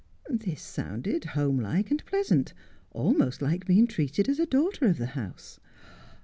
This sounded home like and pleasant, almost like being treated as a daughter of the house.